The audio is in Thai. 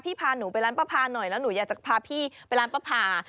พาหนูไปร้านป้าพาหน่อยแล้วหนูอยากจะพาพี่ไปร้านป้าพา